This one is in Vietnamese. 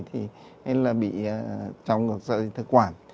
hay là bị trào ngược rời thực quản